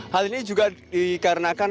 hal ini juga dikarenakan